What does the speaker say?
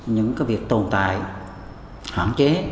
những cái việc tồn tại hẳn chế